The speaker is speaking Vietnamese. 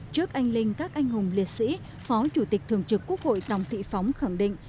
trước anh linh các anh hùng liệt sĩ phó chủ tịch thường trực quốc hội tòng thị phóng khẳng định